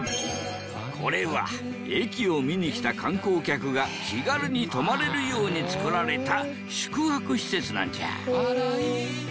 これは駅を見に来た観光客が気軽に泊まれるように造られた宿泊施設なんじゃ。